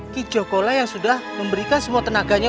kijokolah yang sudah memberikan semua tenaganya